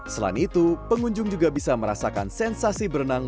selain itu pengunjung juga bisa merasakan sensasi berenang